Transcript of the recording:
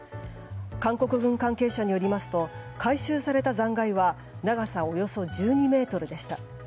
韓国軍関係者によりますと回収された残骸は長さおよそ１２ｍでした。